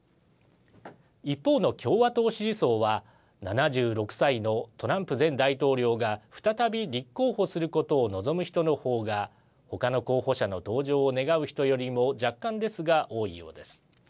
一方の共和党支持層は７６歳のトランプ前大統領が再び立候補することを望む人の方が他の候補者の登場を願う人よりも若干ですが多いようです。